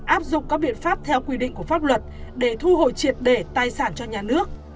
áp dụng các biện pháp theo quy định của pháp luật để thu hồi triệt để tài sản cho nhà nước